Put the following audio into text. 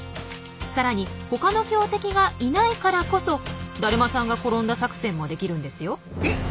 さらに他の強敵がいないからこそ「だるまさんが転んだ作戦」もできるんですよ。